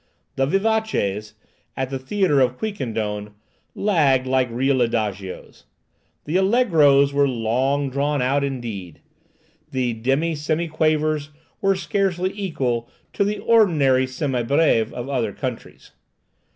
The vivaces, at the theatre of Quiquendone, lagged like real adagios. The allegros were "long drawn out" indeed. The demisemiquavers were scarcely equal to the ordinary semibreves of other countries.